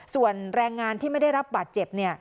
ส่วนแรงงานที่ไม่ได้รับบาดเจ็บ